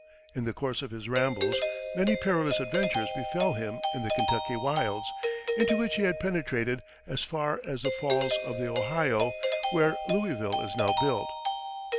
In the course of his rambles many perilous adventures befell him in the Kentucky wilds, into which he had penetrated as far as the Falls of the Ohio, where Louisville is now built.